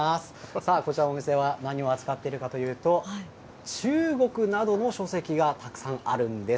さあ、こちらのお店は何を扱っているかというと、中国などの書籍がたくさんあるんです。